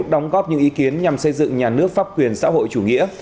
đóng góp những ý kiến nhằm xây dựng nhà nước pháp quyền xã hội chủ nghĩa